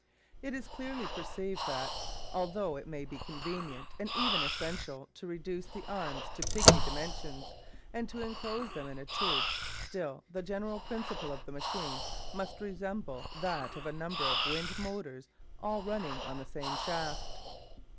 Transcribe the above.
It is clearly perceived that, although it may be convenient and even essential to reduce the arms to pigmy dimensions and to enclose them in a tube, still the general principle of the machine must resemble that of a number of wind motors all running on the same shaft.